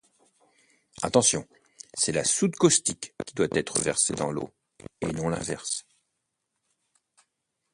Attention, c'est la soude caustique qui doit être versée dans l’eau et non l’inverse.